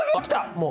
もう。